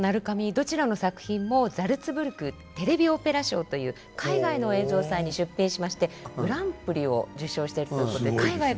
どちらの作品もザルツブルクテレビオペラ賞という海外の映像祭に出品しましてグランプリを受賞しているということで海外からも評価を受けています。